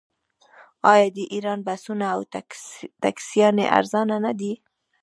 آیا د ایران بسونه او ټکسیانې ارزانه نه دي؟